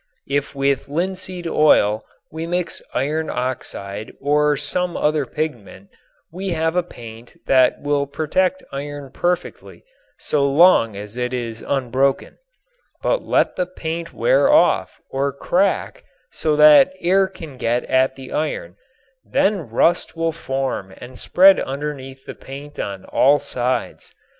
If with linseed oil we mix iron oxide or some other pigment we have a paint that will protect iron perfectly so long as it is unbroken. But let the paint wear off or crack so that air can get at the iron, then rust will form and spread underneath the paint on all sides.